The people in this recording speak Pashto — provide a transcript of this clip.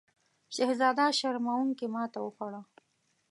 شهزاده شرموونکې ماته وخوړه.